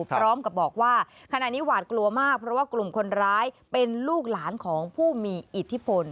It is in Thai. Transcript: พร้อมกับบอกว่าขณะนี้หวาดกลัวมากเพราะว่ากลุ่มคนร้ายเป็นลูกหลานของผู้มีอิทธิพล